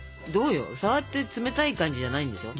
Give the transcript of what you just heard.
触って冷たい感じじゃないんでしょ？